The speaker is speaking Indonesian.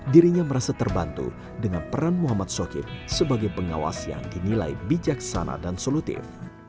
dirinya merasa terbantu dengan peran muhammad sokip sebagai pengawas yang dinilai bijaksana dan solutif